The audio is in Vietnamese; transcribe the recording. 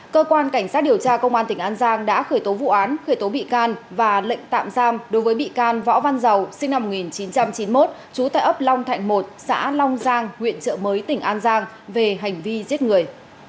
cơ quan cảnh sát điều tra công an tỉnh an giang đã khởi tố vụ án khởi tố bị can và lệnh tạm giam đối với bị can võ văn giàu sinh năm một nghìn chín trăm chín mươi một trú tại ấp long thạnh một xã long giang huyện trợ mới tỉnh an giang về hành vi giết người